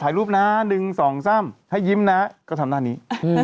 ถ่ายรูปนะ๑๒๓ให้ยิ้มนะก็ทำหน้านี้